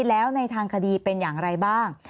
แล้วในทางคดีเป็นอย่างไรบ้าง